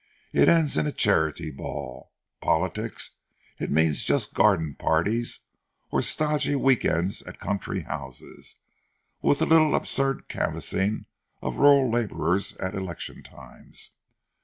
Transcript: it ends in a charity ball. Politics? it means just garden parties or stodgy week ends at country houses, with a little absurd canvassing of rural labourers at election times.